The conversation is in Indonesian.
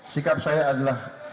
sikap saya adalah